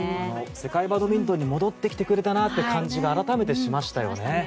世界バドミントンに戻ってきてくれたなという感じが改めて、しましたよね。